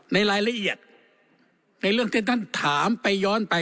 ในรายละเอียดในเรื่องที่ท่านถามไปย้อนไป